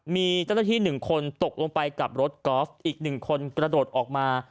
มีเจ้าหน้าที่๑คนตกลงไปกับรถกอล์ฟอีก๑คนกระโดดออกมา